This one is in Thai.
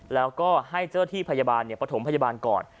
แล้วก็ให้เจ้าที่พยาบาลปฐมพยาบาลก่อน